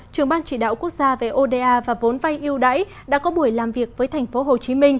trưởng ban chỉ đạo quốc gia về oda và vốn vay yêu đáy đã có buổi làm việc với tp hcm